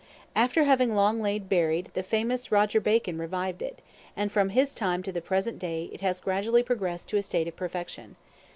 After having long lain buried, the famous Roger Bacon revived it; and from his time to the present day it has gradually progressed to a state of perfection.